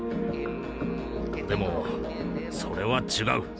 でも「それは違う。